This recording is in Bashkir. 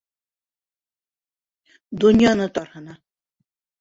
Донъяны тарһына.